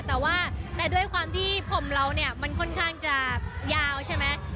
แต่ด้วยความที่ผมเรามันค่อนข้างจะยาวใช่ไหม